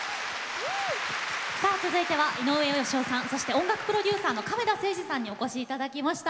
続いては、井上芳雄さんそして音楽プロデューサーの亀田誠治さんにお越しいただきました。